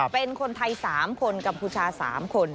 เป็นคนไทย๓คนกัมพูชา๓คน